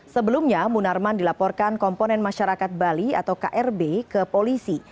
sebelumnya munarman dilaporkan komponen masyarakat bali atau krb ke polisi